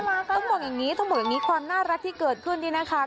แล้วหมดอย่างนี้ความน่ารักที่เกิดขึ้นดีนะคะ